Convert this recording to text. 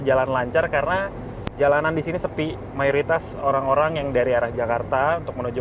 jalan lancar karena jalanan di sini sepi mayoritas orang orang yang dari arah jakarta untuk menuju